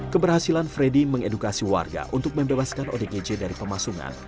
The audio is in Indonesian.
keberhasilan freddy mengedukasi warga untuk membebaskan odgj dari pemasungan